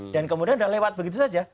kemudian sudah lewat begitu saja